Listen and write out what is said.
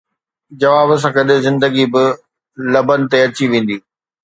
جواب سان گڏ زندگي به لبن تي اچي ويندي